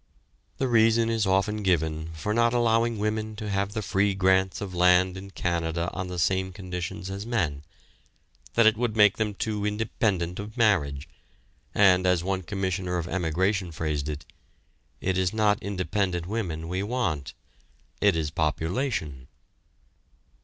The reason is often given for not allowing women to have the free grants of land in Canada on the same conditions as men, that it would make them too independent of marriage, and, as one commissioner of emigration phrased it: "It is not independent women we want; it is population."